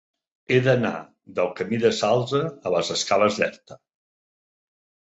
He d'anar del camí del Salze a les escales d'Erta.